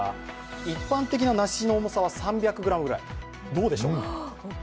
一般的な梨の重さは３００ｇぐらい、どうでしょう。